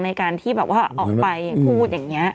ในการที่แบบว่าออกไปพูดอย่างนี้